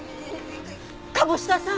鴨志田さん